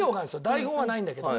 台本はないんだけど。